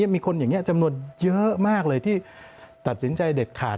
มีคนอย่างนี้จำนวนเยอะมากเลยที่ตัดสินใจเด็ดขาด